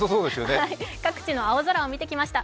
各地の青空を見てきました。